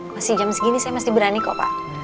masih jam segini saya masih berani kok pak